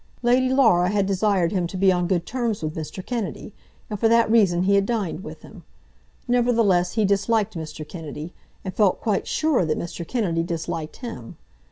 Lady Laura had desired him to be on good terms with Mr. Kennedy, and for that reason he had dined with him. Nevertheless he disliked Mr. Kennedy, and felt quite sure that Mr. Kennedy disliked him.